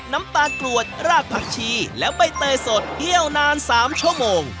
น้ำตาลกรวดรากผักชีและใบเตยสดเที่ยวนาน๓ชั่วโมง